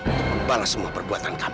untuk membalas semua perbuatan kami